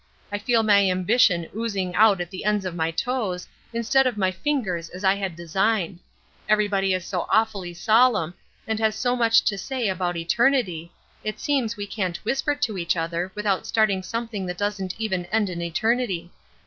I feel my ambition oozing out at the ends of my toes, instead of my fingers as I had designed. Everybody is so awfully solemn, and has so much to say about eternity, it seems we can't whisper to each other without starting something that doesn't even end in eternity.